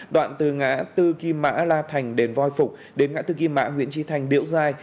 đoạn từ ngã tư kim mã la thành đền voi phục đến ngã tư kim mã nguyễn tri thành điễu giai